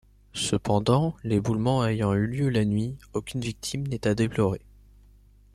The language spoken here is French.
Cependant, l'éboulement ayant eu lieu la nuit, aucune victime n'est à déplorer.